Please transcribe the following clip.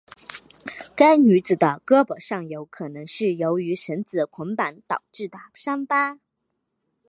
该女子的胳膊上有可能是由于绳子捆绑导致的伤疤。